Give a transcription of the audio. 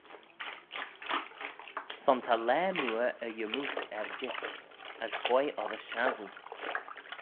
Son ta laa mooar e yymmoose er jeet, as quoi oddys shassoo?